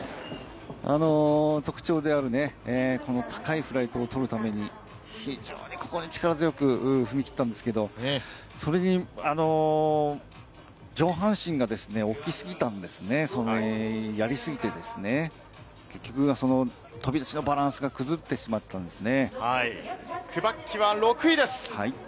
特徴である、高いフライトを取るために非常に力強く踏み切ったんですけど、それに上半身が起き過ぎたんですね、やりすぎてですね、結局、飛び出しのバランスが崩れてしまったんですね。